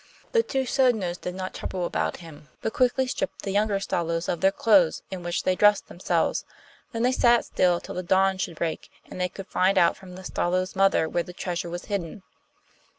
The two Sodnos did not trouble about him, but quickly stripped the younger Stalos of their clothes, in which they dressed themselves. Then they sat still till the dawn should break and they could find out from the Stalos' mother where the treasure was hidden.